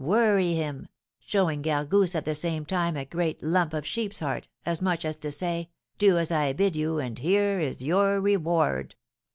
Worry him!' showing Gargousse at the same time a great lump of sheep's heart, as much as to say, Do as I bid you, and here is your reward.